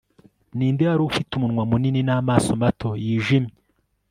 ninde wari ufite umunwa munini n'amaso mato, yijimye